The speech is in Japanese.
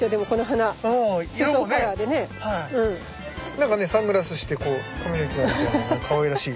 なんかねサングラスしてこう髪の毛がかわいらしい。